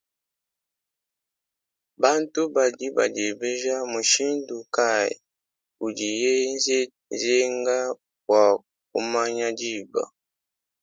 Bantu badi badiebeja mushindu kay udiye zenga bwa kumanya diba?